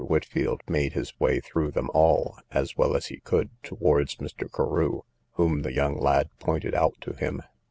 Whitfield made his way through them all, as well as he could, towards Mr. Carew, whom the young lad pointed out to him.